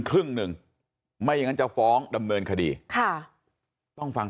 ครึ่งหนึ่งไม่อย่างนั้นจะฟ้องดำเนินคดีค่ะต้องฟัง